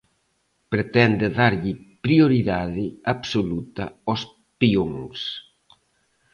Pretende darlle prioridade absoluta aos peóns.